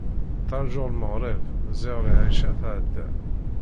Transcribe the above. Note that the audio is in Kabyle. Ttrajuɣ lmeɣreb, ziɣ lɛica tɛedda!